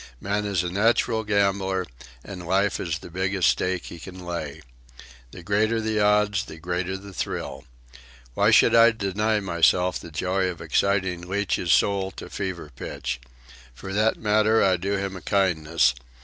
Man is a natural gambler, and life is the biggest stake he can lay. The greater the odds, the greater the thrill. Why should I deny myself the joy of exciting Leach's soul to fever pitch? For that matter, I do him a kindness.